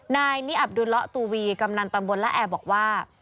นายนิอับดุลละตูวีกำนันตำบลละแอร์บอกว่า